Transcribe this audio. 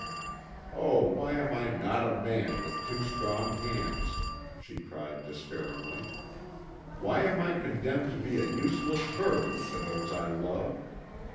Oh, why am I not a man with two strong hands?" she cried despairingly. "Why am I condemned to be a useless burden to those I love?